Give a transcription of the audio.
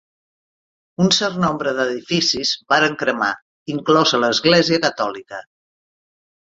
Un cert nombre d'edificis varen cremar, inclosa l'església catòlica.